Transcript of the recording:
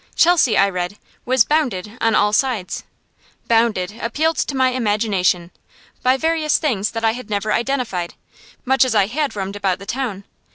Chelsea, I read, was bounded on all sides "bounded" appealed to my imagination by various things that I had never identified, much as I had roamed about the town.